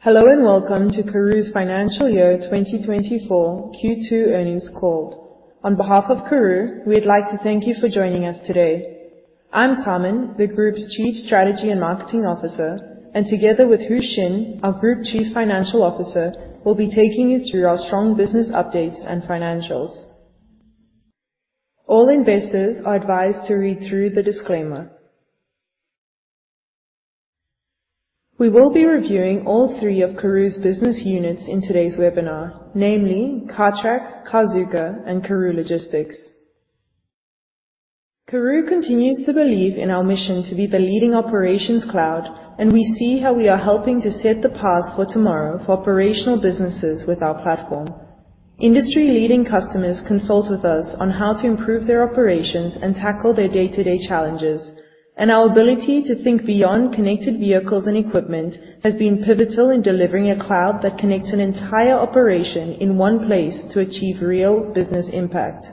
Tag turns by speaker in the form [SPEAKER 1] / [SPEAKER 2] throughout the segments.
[SPEAKER 1] Hello, and welcome to Karooooo's Financial Year 2024 Q2 earnings call. On behalf of Karooooo, we'd like to thank you for joining us today. I'm Carmen, the group's Chief Strategy and Marketing Officer, and together with Hoeshin, our Group Chief Financial Officer, we'll be taking you through our strong business updates and financials. All investors are advised to read through the disclaimer. We will be reviewing all three of Karooooo's business units in today's webinar, namely, Cartrack, Carzuka, and Karooooo Logistics. Karooooo continues to believe in our mission to be the leading operations cloud, and we see how we are helping to set the path for tomorrow for operational businesses with our platform. Industry-leading customers consult with us on how to improve their operations and tackle their day-to-day challenges, and our ability to think beyond connected vehicles and equipment has been pivotal in delivering a cloud that connects an entire operation in one place to achieve real business impact.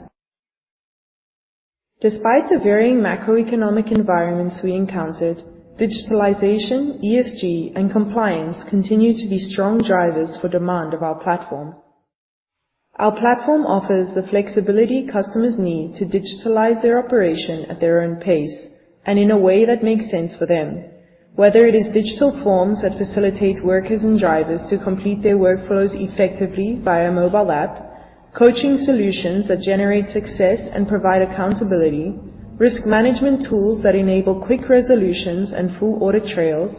[SPEAKER 1] Despite the varying macroeconomic environments we encountered, digitalization, ESG, and compliance continue to be strong drivers for demand of our platform. Our platform offers the flexibility customers need to digitalize their operation at their own pace and in a way that makes sense for them. Whether it is digital forms that facilitate workers and drivers to complete their workflows effectively via mobile app, coaching solutions that generate success and provide accountability, risk management tools that enable quick resolutions and full audit trails,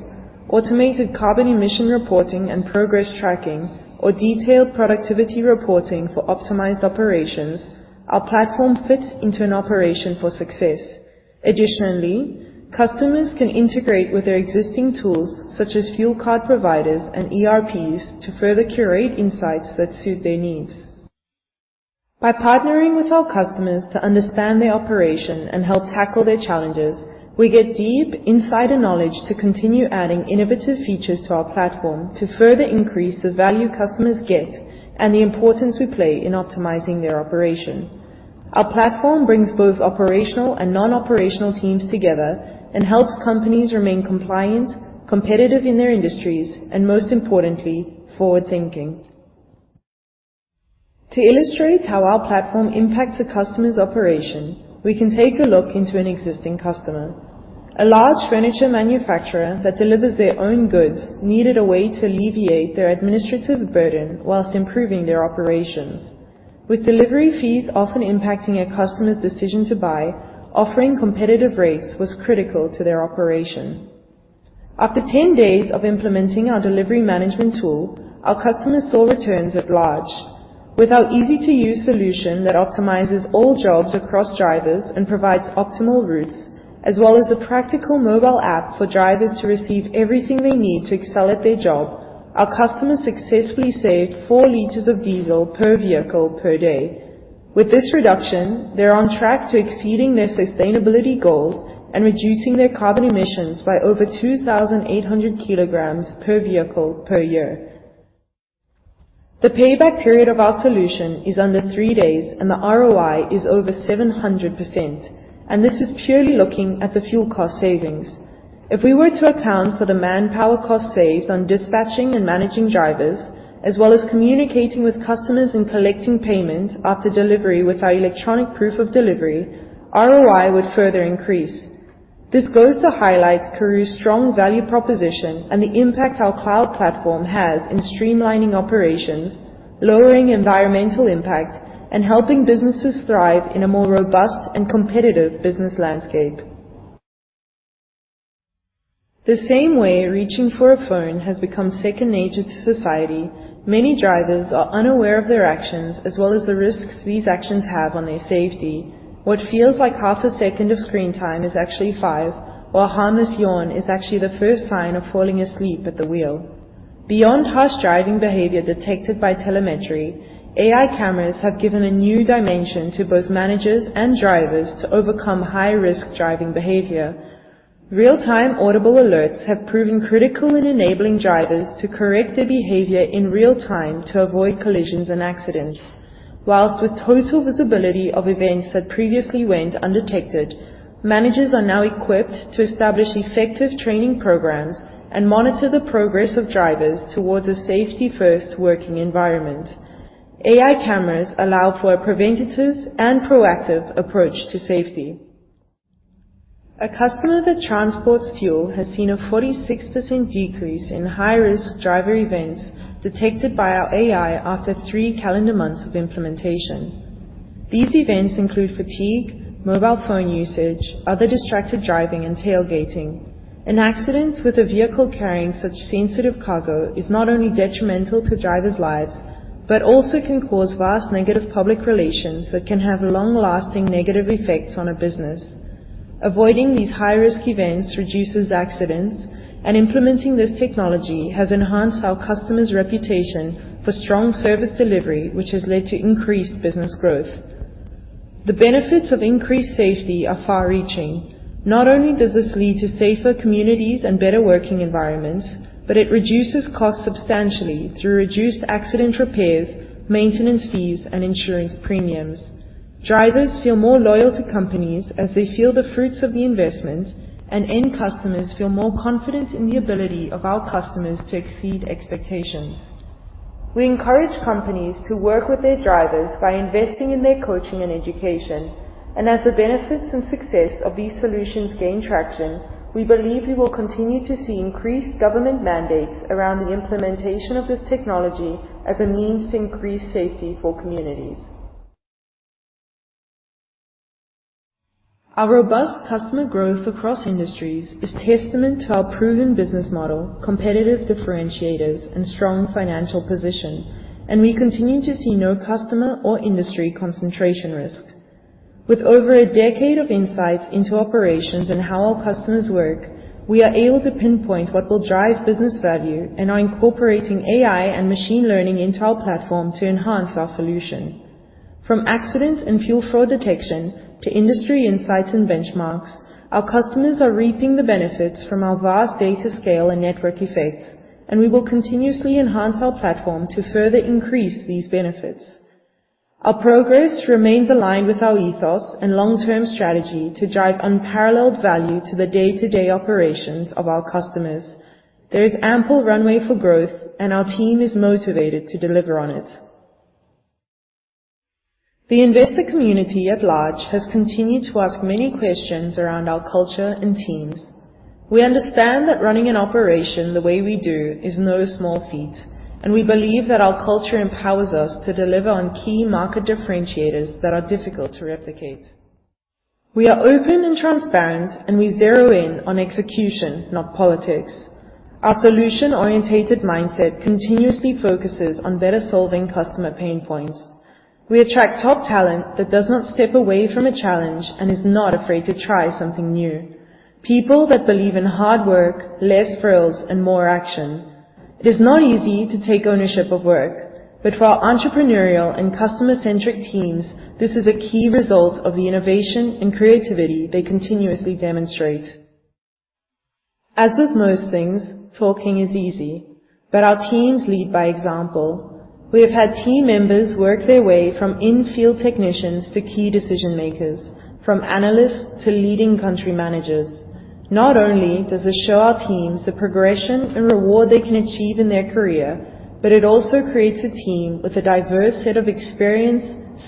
[SPEAKER 1] automated carbon emission reporting and progress tracking, or detailed productivity reporting for optimized operations, our platform fits into an operation for success. Additionally, customers can integrate with their existing tools, such as fuel card providers and ERPs, to further curate insights that suit their needs. By partnering with our customers to understand their operation and help tackle their challenges, we get deep insight and knowledge to continue adding innovative features to our platform to further increase the value customers get and the importance we play in optimizing their operation. Our platform brings both operational and non-operational teams together and helps companies remain compliant, competitive in their industries, and most importantly, forward-thinking. To illustrate how our platform impacts a customer's operation, we can take a look into an existing customer. A large furniture manufacturer that delivers their own goods needed a way to alleviate their administrative burden while improving their operations. With delivery fees often impacting a customer's decision to buy, offering competitive rates was critical to their operation. After 10 days of implementing our delivery management tool, our customers saw returns at large. With our easy-to-use solution that optimizes all jobs across drivers and provides optimal routes, as well as a practical mobile app for drivers to receive everything they need to excel at their job, our customers successfully saved 4 L of diesel per vehicle per day. With this reduction, they're on track to exceeding their sustainability goals and reducing their carbon emissions by over 2,800 kg per vehicle per year. The payback period of our solution is under three days, and the ROI is over 700%, and this is purely looking at the fuel cost savings. If we were to account for the manpower cost saved on dispatching and managing drivers, as well as communicating with customers and collecting payment after delivery with our electronic proof of delivery, ROI would further increase. This goes to highlight Karooooo's strong value proposition and the impact our cloud platform has in streamlining operations, lowering environmental impact, and helping businesses thrive in a more robust and competitive business landscape. The same way reaching for a phone has become second nature to society, many drivers are unaware of their actions as well as the risks these actions have on their safety. What feels like half a second of screen time is actually five, or a harmless yawn is actually the first sign of falling asleep at the wheel. Beyond harsh driving behavior detected by telemetry, AI cameras have given a new dimension to both managers and drivers to overcome high-risk driving behavior. Real-time audible alerts have proven critical in enabling drivers to correct their behavior in real time to avoid collisions and accidents. While with total visibility of events that previously went undetected, managers are now equipped to establish effective training programs and monitor the progress of drivers towards a safety-first working environment. AI cameras allow for a preventative and proactive approach to safety. A customer that transports fuel has seen a 46% decrease in high-risk driver events detected by our AI after three calendar months of implementation. These events include fatigue, mobile phone usage, other distracted driving, and tailgating. An accident with a vehicle carrying such sensitive cargo is not only detrimental to drivers' lives, but also can cause vast negative public relations that can have long-lasting negative effects on a business. Avoiding these high-risk events reduces accidents, and implementing this technology has enhanced our customer's reputation for strong service delivery, which has led to increased business growth. The benefits of increased safety are far-reaching. Not only does this lead to safer communities and better working environments, but it reduces costs substantially through reduced accident repairs, maintenance fees, and insurance premiums. Drivers feel more loyal to companies as they feel the fruits of the investment, and end customers feel more confident in the ability of our customers to exceed expectations. We encourage companies to work with their drivers by investing in their coaching and education, and as the benefits and success of these solutions gain traction, we believe we will continue to see increased government mandates around the implementation of this technology as a means to increase safety for communities. Our robust customer growth across industries is testament to our proven business model, competitive differentiators, and strong financial position, and we continue to see no customer or industry concentration risk. With over a decade of insight into operations and how our customers work, we are able to pinpoint what will drive business value and are incorporating AI and machine learning into our platform to enhance our solution. From accident and fuel fraud detection to industry insights and benchmarks, our customers are reaping the benefits from our vast data scale and network effects, and we will continuously enhance our platform to further increase these benefits. Our progress remains aligned with our ethos and long-term strategy to drive unparalleled value to the day-to-day operations of our customers. There is ample runway for growth, and our team is motivated to deliver on it. The investor community at large has continued to ask many questions around our culture and teams. We understand that running an operation the way we do is no small feat, and we believe that our culture empowers us to deliver on key market differentiators that are difficult to replicate. We are open and transparent, and we zero in on execution, not politics. Our solution-orientated mindset continuously focuses on better solving customer pain points. We attract top talent that does not step away from a challenge and is not afraid to try something new, people that believe in hard work, less frills, and more action. It is not easy to take ownership of work, but for our entrepreneurial and customer-centric teams, this is a key result of the innovation and creativity they continuously demonstrate. As with most things, talking is easy, but our teams lead by example. We have had team members work their way from in-field technicians to key decision makers, from analysts to leading country managers. Not only does this show our teams the progression and reward they can achieve in their career, but it also creates a team with a diverse set of experience,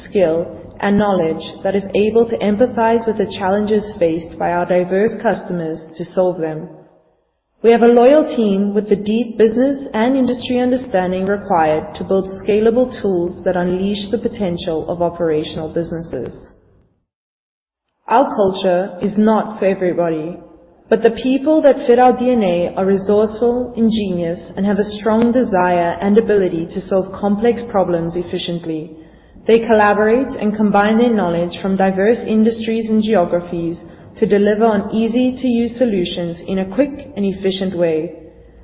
[SPEAKER 1] skill, and knowledge that is able to empathize with the challenges faced by our diverse customers to solve them. We have a loyal team with the deep business and industry understanding required to build scalable tools that unleash the potential of operational businesses. Our culture is not for everybody, but the people that fit our DNA are resourceful, ingenious, and have a strong desire and ability to solve complex problems efficiently. They collaborate and combine their knowledge from diverse industries and geographies to deliver on easy-to-use solutions in a quick and efficient way.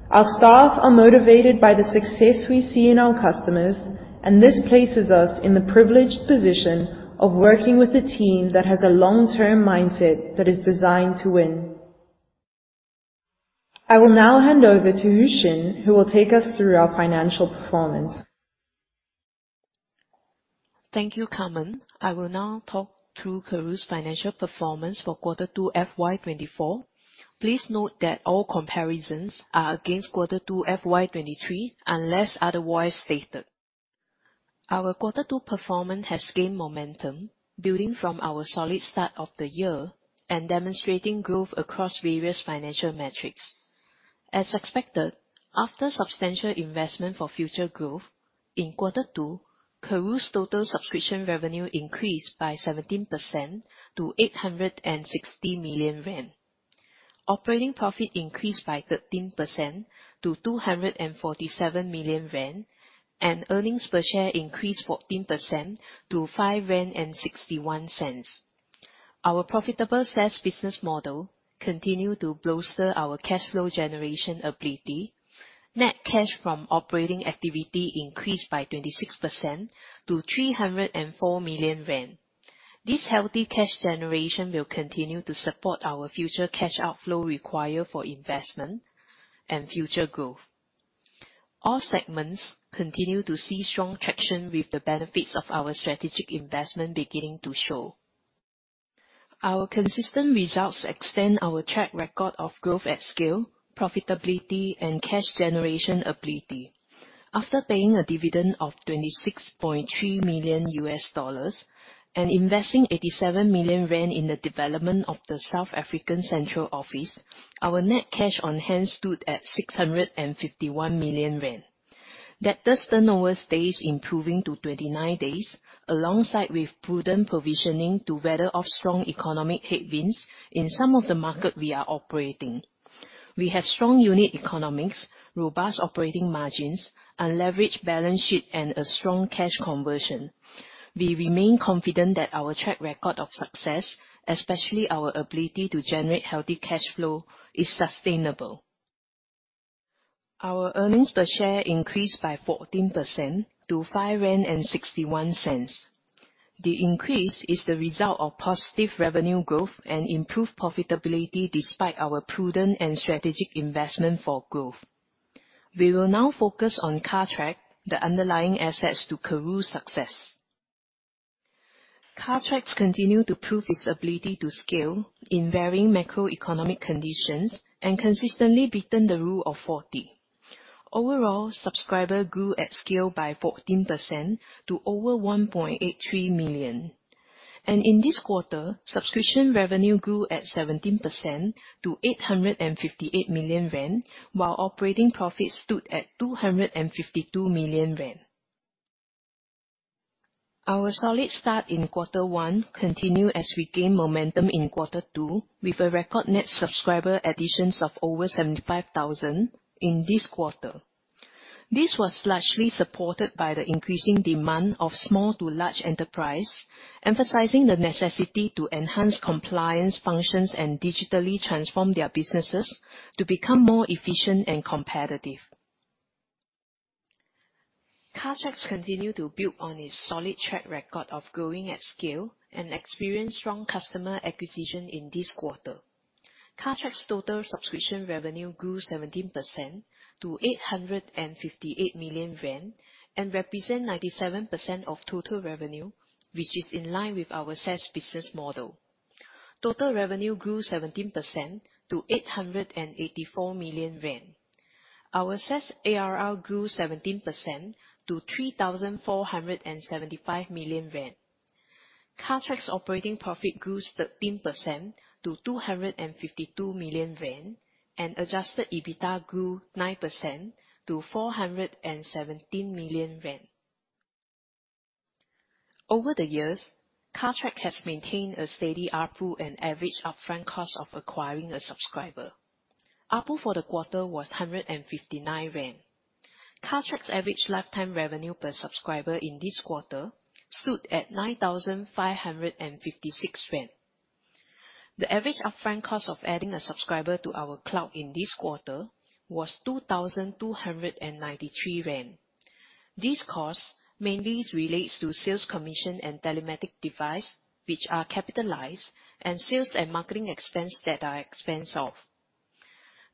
[SPEAKER 1] Our staff are motivated by the success we see in our customers, and this places us in the privileged position of working with a team that has a long-term mindset that is designed to win. I will now hand over to Hoeshin, who will take us through our financial performance.
[SPEAKER 2] Thank you, Carmen. I will now talk through Karooooo's financial performance for quarter two, FY 2024. Please note that all comparisons are against quarter two, FY 2023, unless otherwise stated. Our quarter two performance has gained momentum, building from our solid start of the year and demonstrating growth across various financial metrics. As expected, after substantial investment for future growth in quarter two, Karooooo's total subscription revenue increased by 17% to 860 million rand. Operating profit increased by 13% to 247 million rand, and earnings per share increased 14% to 5.61 rand. Our profitable SaaS business model continued to bolster our cash flow generation ability. Net cash from operating activity increased by 26% to 304 million rand. This healthy cash generation will continue to support our future cash outflow required for investment and future growth. All segments continue to see strong traction with the benefits of our strategic investment beginning to show. Our consistent results extend our track record of growth at scale, profitability, and cash generation ability. After paying a dividend of $26.3 million and investing 87 million rand in the development of the South African central office, our net cash on hand stood at 651 million rand. Debtors turnover stays improving to 29 days, alongside with prudent provisioning to weather off strong economic headwinds in some of the markets we are operating. We have strong unit economics, robust operating margins, unleveraged balance sheet, and a strong cash conversion. We remain confident that our track record of success, especially our ability to generate healthy cash flow, is sustainable. Our earnings per share increased by 14% to 5.61 rand. The increase is the result of positive revenue growth and improved profitability, despite our prudent and strategic investment for growth. We will now focus on Cartrack, the underlying assets to Karooooo's success. Cartrack continue to prove its ability to scale in varying macroeconomic conditions and consistently beaten the Rule of 40. Overall, subscribers grew at scale by 14% to over 1.83 million. In this quarter, subscription revenue grew at 17% to 858 million rand, while operating profit stood at 252 million rand. Our solid start in quarter one continue as we gain momentum in quarter two, with a record net subscriber additions of over 75,000 in this quarter. This was largely supported by the increasing demand of small to large enterprise, emphasizing the necessity to enhance compliance functions and digitally transform their businesses to become more efficient and competitive. Cartrack continue to build on its solid track record of growing at scale and experience strong customer acquisition in this quarter. Cartrack's total subscription revenue grew 17% to 858 million rand, and represent 97% of total revenue, which is in line with our SaaS business model. Total revenue grew 17% to 884 million rand. Our SaaS ARR grew 17% to 3,475 million rand. Cartrack's operating profit grew 13% to 252 million rand, and adjusted EBITDA grew 9% to 417 million rand. Over the years, Cartrack has maintained a steady ARPU and average upfront cost of acquiring a subscriber. ARPU for the quarter was 159 rand. Cartrack's average lifetime revenue per subscriber in this quarter stood at ZAR 9,556. The average upfront cost of adding a subscriber to our cloud in this quarter was 2,293 rand. This cost mainly relates to sales commission and telematics device, which are capitalized, and sales and marketing expense that are expensed.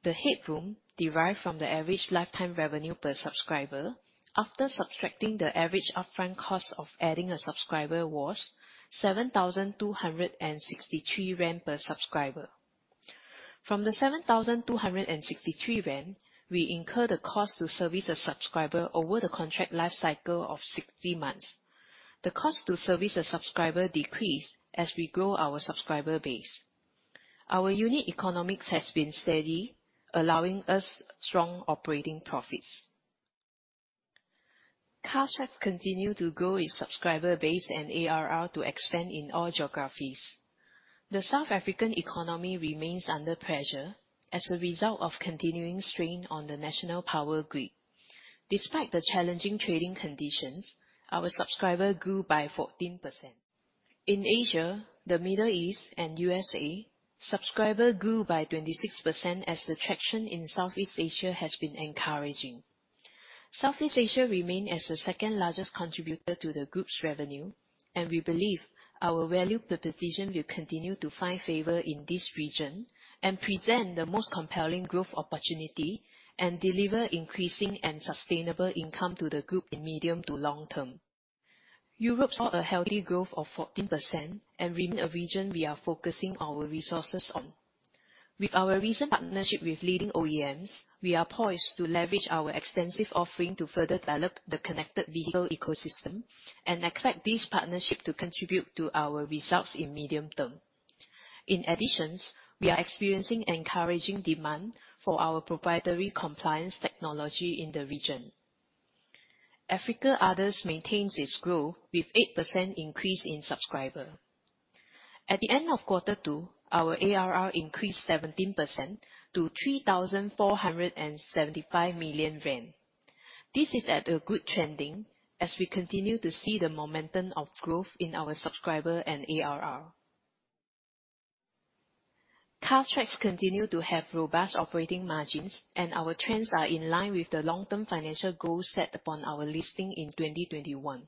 [SPEAKER 2] The headroom derived from the average lifetime revenue per subscriber after subtracting the average upfront cost of adding a subscriber was 7,263 rand per subscriber. From the 7,263 rand, we incur the cost to service a subscriber over the contract life cycle of 60 months. The cost to service a subscriber decrease as we grow our subscriber base. Our unique economics has been steady, allowing us strong operating profits. Cartrack continue to grow its subscriber base and ARR to expand in all geographies. The South African economy remains under pressure as a result of continuing strain on the national power grid. Despite the challenging trading conditions, our subscriber grew by 14%. In Asia, the Middle East, and U.S.A., subscriber grew by 26% as the traction in Southeast Asia has been encouraging. Southeast Asia remain as the second-largest contributor to the group's revenue, and we believe our value proposition will continue to find favor in this region, and present the most compelling growth opportunity, and deliver increasing and sustainable income to the group in medium to long term. Europe saw a healthy growth of 14% and remain a region we are focusing our resources on. With our recent partnership with leading OEMs, we are poised to leverage our extensive offering to further develop the connected vehicle ecosystem, and expect this partnership to contribute to our results in medium term. In addition, we are experiencing encouraging demand for our proprietary compliance technology in the region. Africa Others maintains its growth with 8% increase in subscriber. At the end of quarter two, our ARR increased 17% to 3,475 million rand. This is at a good trending as we continue to see the momentum of growth in our subscriber and ARR. Cartrack continue to have robust operating margins, and our trends are in line with the long-term financial goals set upon our listing in 2021.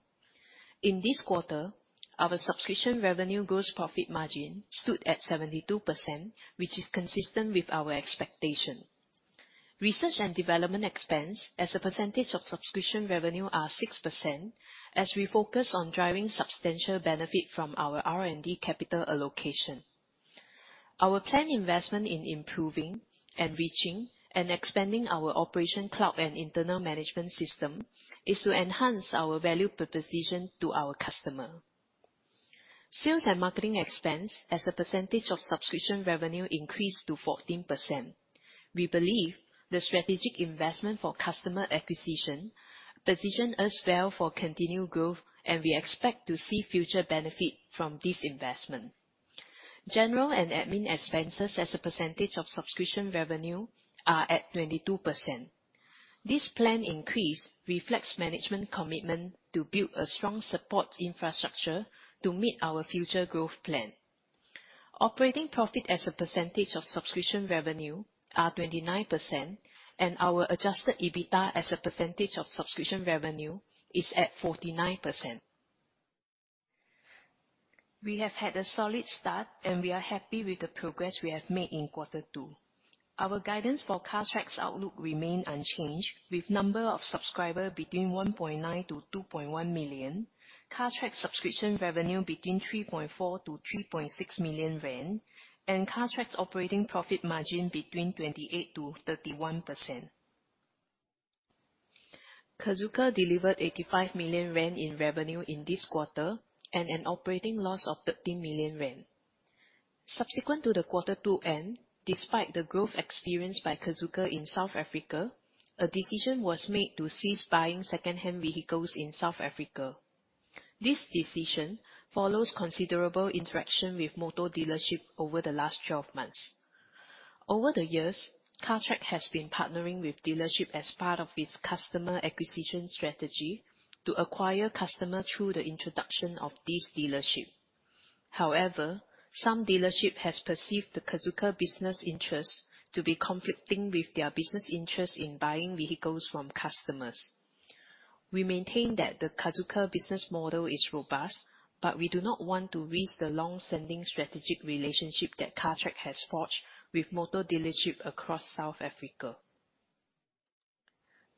[SPEAKER 2] In this quarter, our subscription revenue gross profit margin stood at 72%, which is consistent with our expectation. Research and development expense as a percentage of subscription revenue are 6%, as we focus on driving substantial benefit from our R&D capital allocation. Our planned investment in improving, enriching, and expanding our operation cloud and internal management system is to enhance our value proposition to our customer. Sales and marketing expense as a percentage of subscription revenue increased to 14%. We believe the strategic investment for customer acquisition position us well for continued growth, and we expect to see future benefit from this investment. General and admin expenses as a percentage of subscription revenue are at 22%. This planned increase reflects management commitment to build a strong support infrastructure to meet our future growth plan. Operating profit as a percentage of subscription revenue are 29%, and our adjusted EBITDA as a percentage of subscription revenue is at 49%. We have had a solid start, and we are happy with the progress we have made in quarter two. Our guidance for Cartrack's outlook remain unchanged, with number of subscriber between 1.9 million-2.1 million, Cartrack subscription revenue between 3.4 million-3.6 million rand, and Cartrack's operating profit margin between 28%-31%. Carzuka delivered 85 million rand in revenue in this quarter, and an operating loss of 13 million rand. Subsequent to the quarter two end, despite the growth experienced by Carzuka in South Africa, a decision was made to cease buying secondhand vehicles in South Africa. This decision follows considerable interaction with motor dealership over the last 12 months. Over the years, Cartrack has been partnering with dealerships as part of its customer acquisition strategy to acquire customers through the introduction of these dealerships. However, some dealerships have perceived the Carzuka business interest to be conflicting with their business interest in buying vehicles from customers. We maintain that the Carzuka business model is robust, but we do not want to risk the long-standing strategic relationship that Cartrack has forged with motor dealerships across South Africa.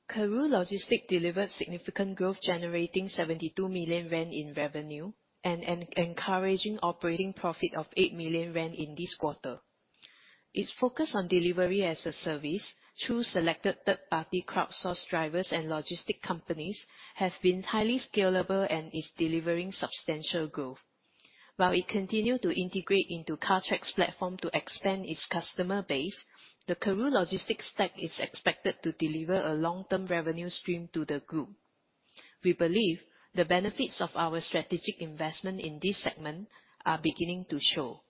[SPEAKER 2] Karooooo Logistics delivered significant growth, generating 72 million rand in revenue and an encouraging operating profit of 8 million rand in this quarter. Its focus on delivery as a service through selected third-party crowdsourced drivers and logistic companies, have been highly scalable and is delivering substantial growth. While it continue to integrate into Cartrack's platform to expand its customer base, the Karooooo Logistics stack is expected to deliver a long-term revenue stream to the group. We believe the benefits of our strategic investment in this segment are beginning to show.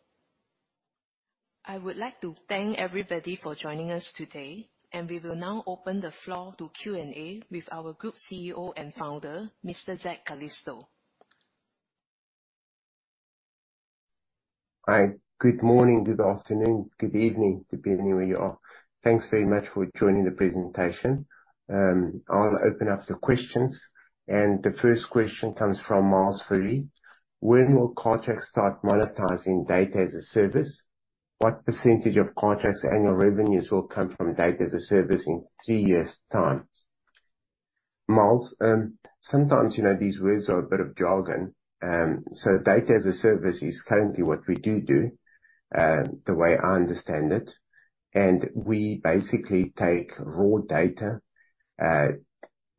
[SPEAKER 2] I would like to thank everybody for joining us today, and we will now open the floor to Q&A with our Group CEO and founder, Mr. Zak Calisto.
[SPEAKER 3] Hi, good morning, good afternoon, good evening, depending where you are. Thanks very much for joining the presentation. I'll open up the questions, and the first question comes from Myles Fourie: "When will Cartrack start monetizing data as a service? What percentage of Cartrack's annual revenues will come from data as a service in three years' time?" Myles, sometimes, you know, these words are a bit of jargon. So data as a service is currently what we do, the way I understand it, and we basically take raw data,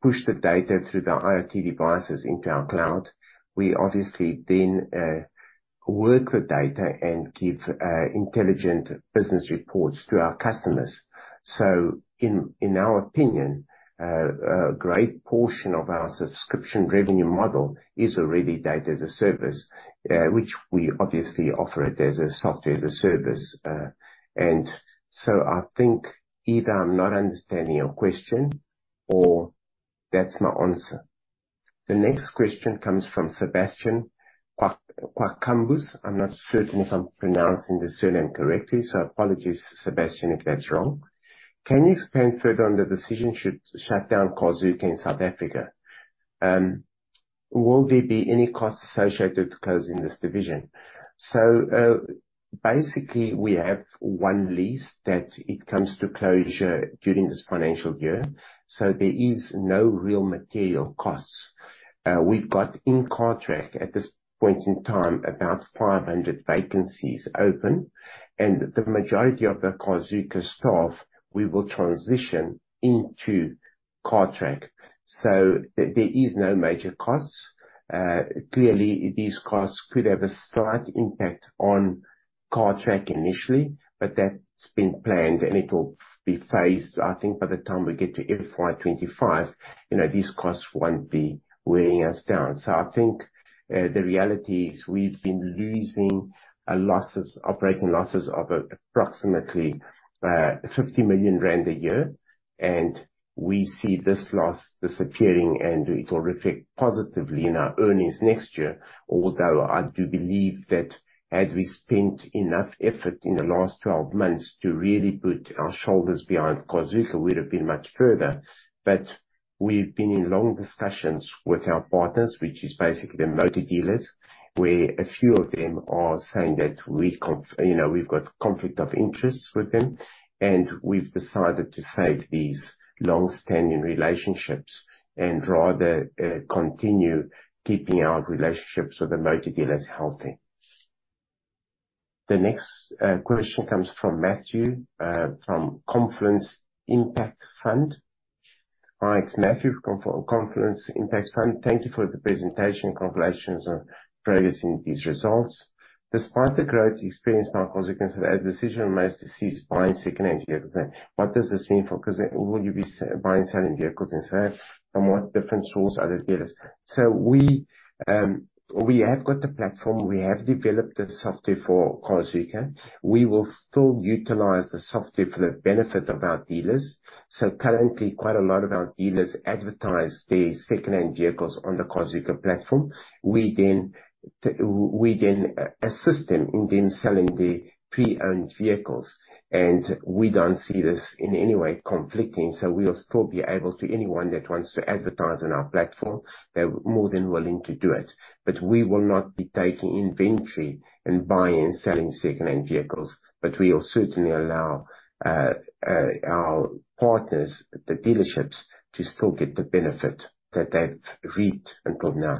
[SPEAKER 3] push the data through the IoT devices into our cloud. We obviously then work the data and give intelligent business reports to our customers. In our opinion, a great portion of our subscription revenue model is already data as a service, which we obviously offer as a software as a service. I think either I'm not understanding your question, or that's my answer. The next question comes from Sebastiaan Kwakkenbos. I'm not certain if I'm pronouncing this surname correctly, so apologies, Sebastiaan, if that's wrong. "Can you expand further on the decision to shut down Carzuka in South Africa? Will there be any costs associated with closing this division?" Basically, we have one lease that comes to closure during this financial year, so there are no real material costs. We've got in Cartrack, at this point in time, about 500 vacancies open, and the majority of the Carzuka staff, we will transition into Cartrack. There is no major costs. Clearly, these costs could have a slight impact on Cartrack initially, but that's been planned, and it will be phased. I think by the time we get to FY 2025, you know, these costs won't be weighing us down. I think the reality is, we've been losing losses, operating losses of approximately 50 million rand a year, and we see this loss disappearing, and it will reflect positively in our earnings next year. Although, I do believe that had we spent enough effort in the last 12 months to really put our shoulders behind Carzuka, we'd have been much further. We've been in long discussions with our partners, which is basically the motor dealers, where a few of them are saying that we, you know, we've got conflict of interests with them, and we've decided to save these long-standing relationships and rather, you know, continue keeping our relationships with the motor dealers healthy. The next question comes from Matthew from Confluence Impact Fund. Hi, it's Matthew from Confluence Impact Fund. "Thank you for the presentation, congratulations on progressing these results. Despite the growth experienced by Carzuka, as the decision was made to cease buying second-hand vehicles, what does this mean for Carzuka? Will you be buying and selling vehicles, and so from what different sources are the dealers?" We have got the platform, we have developed the software for Carzuka. We will still utilize the software for the benefit of our dealers. So currently, quite a lot of our dealers advertise their secondhand vehicles on the Carzuka platform. We then assist them in them selling the pre-owned vehicles, and we don't see this in any way conflicting. So we'll still be able to anyone that wants to advertise on our platform, they're more than willing to do it. But we will not be taking inventory and buying and selling secondhand vehicles, but we will certainly allow our partners, the dealerships, to still get the benefit that they've reaped until now.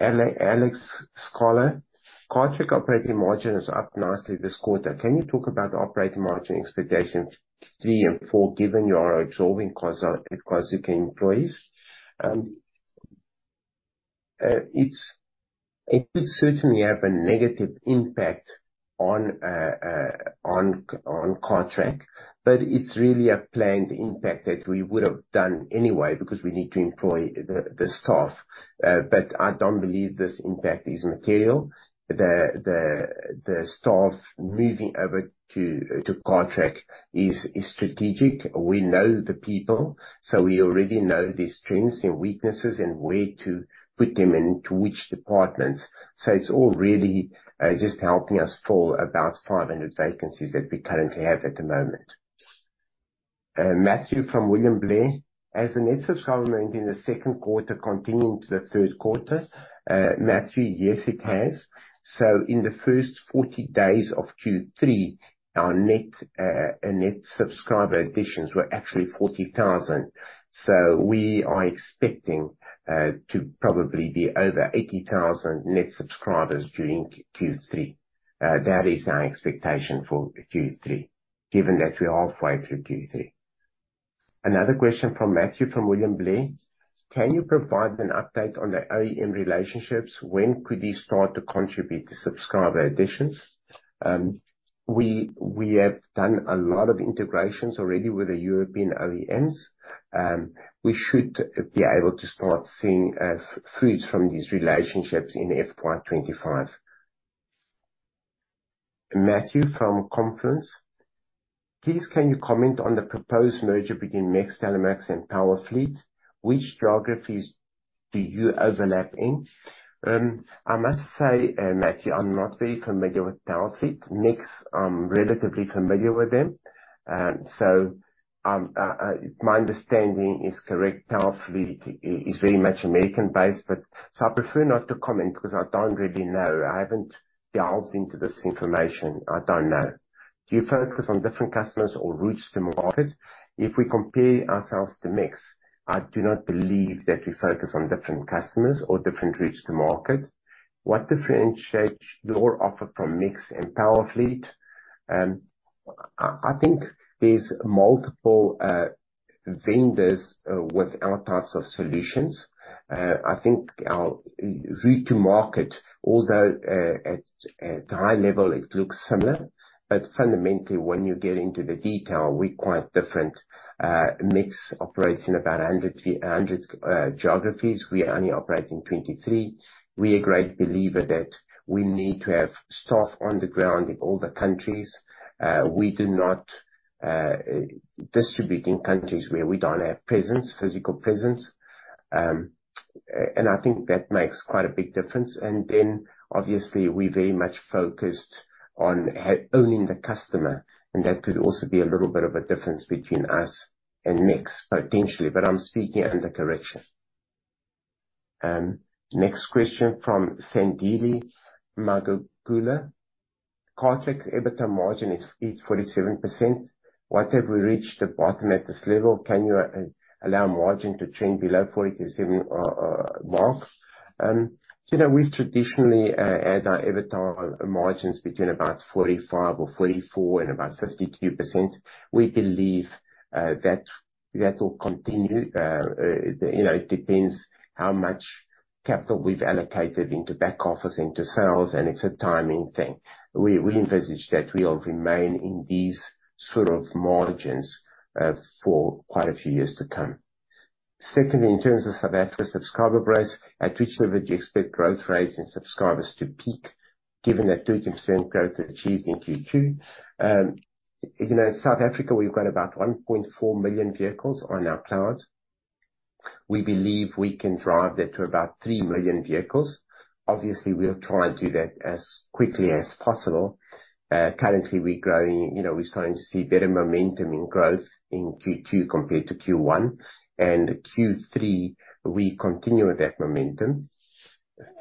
[SPEAKER 3] Alex Sklar. Cartrack operating margin is up nicely this quarter. Can you talk about the operating margin expectations three and four, given your absorbing costs of Carzuka employees? It's- it will certainly have a negative impact on, on Cartrack, but it's really a planned impact that we would have done anyway, because we need to employ the staff. I don't believe this impact is material. The staff moving over to Cartrack is strategic. We know the people, so we already know their strengths and weaknesses and where to put them, and to which departments. It's all really just helping us fill about 500 vacancies that we currently have at the moment. Matthew from William Blair. Has the net subscriber momentum in the second quarter continued into the third quarter? Matthew, yes, it has. In the first 40 days of Q3, our net, net subscriber additions were actually 40,000. So we are expecting to probably be over 80,000 net subscribers during Q3. That is our expectation for Q3, given that we are halfway through Q3. Another question from Matthew, from William Blair: Can you provide an update on the OEM relationships? When could you start to contribute to subscriber additions? We have done a lot of integrations already with the European OEMs. We should be able to start seeing fruits from these relationships in FY 2025. Matthew from Confluence: Please, can you comment on the proposed merger between MiX Telematics and Powerfleet? Which geographies do you overlap in? I must say, Matthew, I'm not very familiar with Powerfleet. MiX, I'm relatively familiar with them. So, if my understanding is correct, Powerfleet is very much American-based, but... So I prefer not to comment because I don't really know. I haven't delved into this information. I don't know. Do you focus on different customers or routes to market? If we compare ourselves to MiX, I do not believe that we focus on different customers or different routes to market. What differentiates your offer from MiX and Powerfleet? I, I think there's multiple vendors with our types of solutions. I think our route to market, although at the high level, it looks similar, but fundamentally, when you get into the detail, we're quite different. MiX operates in about 100 geographies. We only operate in 23. We're a great believer that we need to have staff on the ground in all the countries. We do not distribute in countries where we don't have presence, physical presence. I think that makes quite a big difference. Then, obviously, we're very much focused on owning the customer, and that could also be a little bit of a difference between us and MiX, potentially, but I'm speaking under correction. Next question from Sandile Magagula. Cartrack's EBITDA margin is 47%. What if we reach the bottom at this level? Can you allow margin to trend below 47% mark? You know, we've traditionally had our EBITDA margins between about 45 or 44 and about 52%. We believe that will continue. You know, it depends how much capital we've allocated into back office, into sales, and it's a timing thing. We envisage that we'll remain in these sort of margins for quite a few years to come. Secondly, in terms of South Africa subscriber base, at which level do you expect growth rates and subscribers to peak, given that 30% growth achieved in Q2? You know, South Africa, we've got about 1.4 million vehicles on our cloud. We believe we can drive that to about 3 million vehicles. Obviously, we'll try and do that as quickly as possible. Currently, we're growing, you know, we're starting to see better momentum in growth in Q2 compared to Q1, and Q3, we continue with that momentum.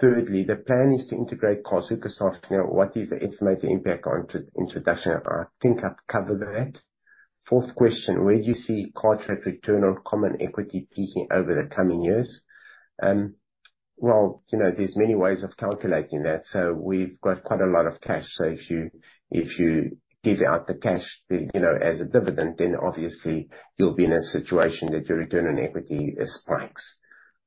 [SPEAKER 3] Thirdly, the plan is to integrate Carzuka software. What is the estimated impact on introduction? I think I've covered that. Fourth question: Where do you see Cartrack return on common equity peaking over the coming years? Well, you know, there's many ways of calculating that. So we've got quite a lot of cash. So if you give out the cash, you know, as a dividend, then obviously you'll be in a situation that your return on equity spikes.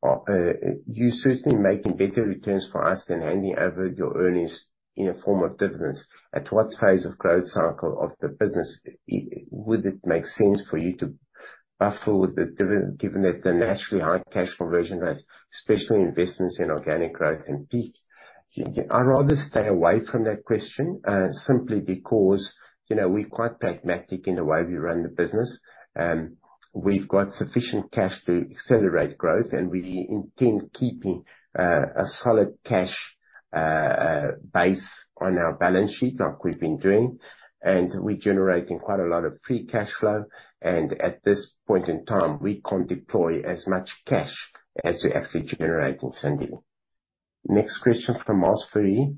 [SPEAKER 3] You're certainly making better returns for us than handing over your earnings in a form of dividends. At what phase of growth cycle of the business would it make sense for you to buffer the dividend given that the naturally high cash conversion rates, especially investments in organic growth and peak? I'd rather stay away from that question, simply because, you know, we're quite pragmatic in the way we run the business. We've got sufficient cash to accelerate growth, and we intend keeping a solid cash base on our balance sheet like we've been doing, and we're generating quite a lot of free cash flow, and at this point in time, we can't deploy as much cash as we actually generating, Sandile. Next question from Myles Fourie.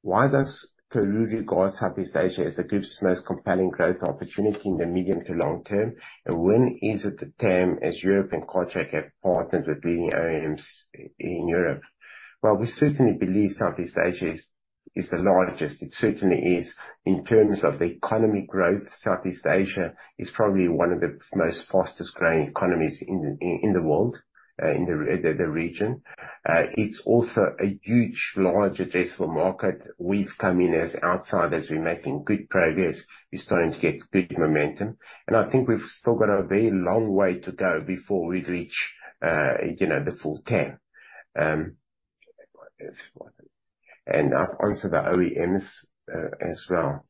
[SPEAKER 3] Why does Karooooo regard Southeast Asia as the group's most compelling growth opportunity in the medium to long term? And when is it the term, as Europe and Cartrack have partnered with leading OEMs in Europe? Well, we certainly believe Southeast Asia is, is the largest. It certainly is. In terms of the economy growth, Southeast Asia is probably one of the most fastest growing economies in the world, in the region. It's also a huge, large addressable market. We've come in as outsiders. We're making good progress. We're starting to get good momentum, and I think we've still got a very long way to go before we reach, you know, the full term. And I've answered the OEMs, as well.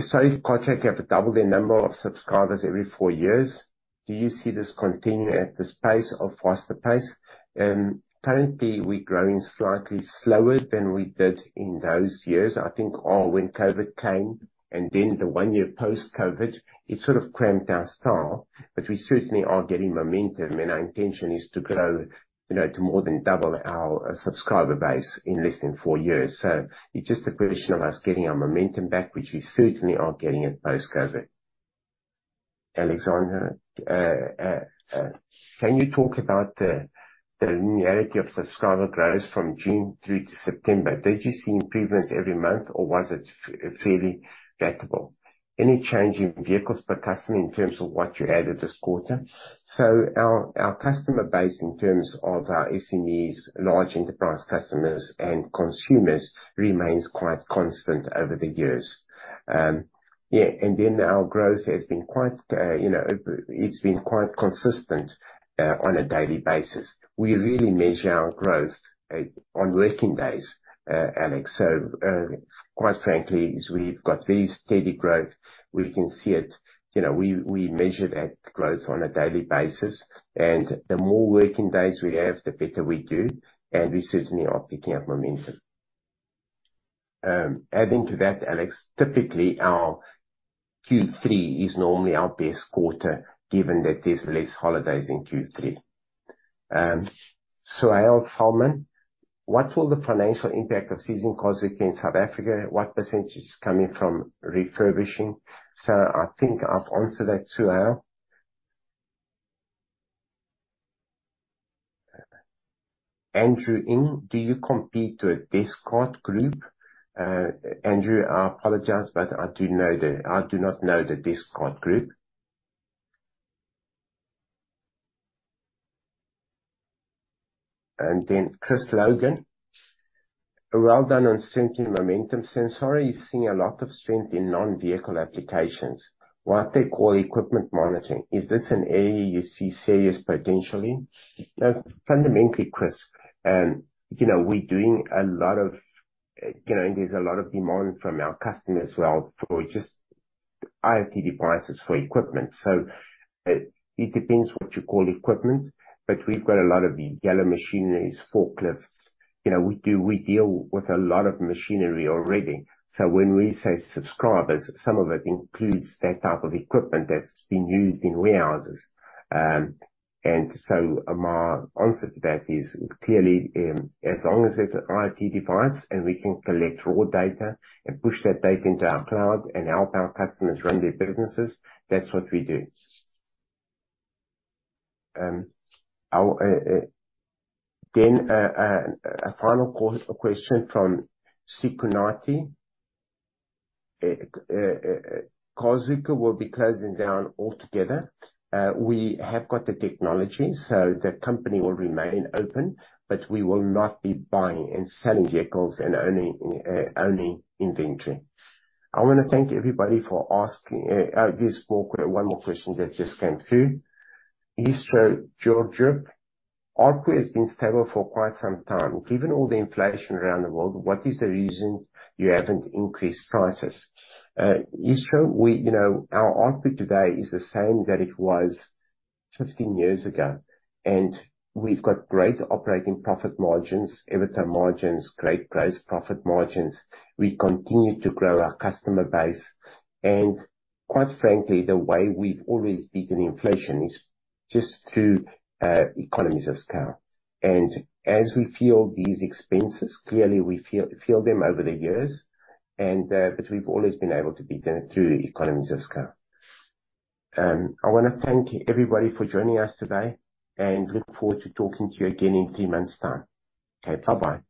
[SPEAKER 3] So Cartrack have doubled their number of subscribers every four years. Do you see this continuing at this pace or faster pace? Currently, we're growing slightly slower than we did in those years. I think, when COVID came, and then the one year post-COVID, it sort of cramped our style, but we certainly are getting momentum, and our intention is to grow, you know, to more than double our subscriber base in less than four years. So it's just a question of us getting our momentum back, which we certainly are getting at post-COVID. Alexander. Can you talk about the linearity of subscriber growth from June through to September? Did you see improvements every month, or was it fairly flatable? Any change in vehicles per customer in terms of what you added this quarter? Our customer base, in terms of our SMEs, large enterprise customers and consumers, remains quite constant over the years. Yeah, and then our growth has been quite, you know, it's been quite consistent, on a daily basis. We really measure our growth on working days, Alex. Quite frankly, we've got very steady growth. We can see it. You know, we measure that growth on a daily basis, and the more working days we have, the better we do, and we certainly are picking up momentum. Adding to that, Alex, typically our Q3 is normally our best quarter, given that there's less holidays in Q3. Suhail Salman: What will the financial impact of seizing cars against South Africa? What percentage is coming from refurbishing? I think I've answered that, Suhail. Andrew Ing: Do you compete with Descartes Group? Andrew, I apologize, but I do not know the Descartes Group. Chris Logan: Well done on strengthening momentum. Samsara is seeing a lot of strength in non-vehicle applications, what they call equipment monitoring. Is this an area you see serious potentially? Fundamentally, Chris, you know, we're doing a lot of, you know, there's a lot of demand from our customers as well for just IoT devices for equipment. It depends what you call equipment, but we've got a lot of yellow machineries, forklifts. You know, we deal with a lot of machinery already. So when we say subscribers, some of it includes that type of equipment that's being used in warehouses. And so my answer to that is, clearly, as long as it's an IoT device and we can collect raw data and push that data into our cloud and help our customers run their businesses, that's what we do. Then, a final question from Sikonathi. Carzuka will be closing down altogether. We have got the technology, so the company will remain open, but we will not be buying and selling vehicles and owning inventory. I wanna thank everybody for asking. There's more, one more question that just came through. Hristo Georgiev: ARPU has been stable for quite some time. Given all the inflation around the world, what is the reason you haven't increased prices? Hristo, we, you know, our ARPU today is the same that it was 15 years ago, and we've got great operating profit margins, EBITDA margins, great gross profit margins. We continue to grow our customer base, and quite frankly, the way we've always beaten inflation is just through economies of scale. And as we feel these expenses, clearly, we feel, feel them over the years, and but we've always been able to beat them through economies of scale. I wanna thank everybody for joining us today, and look forward to talking to you again in three months' time. Okay, bye-bye.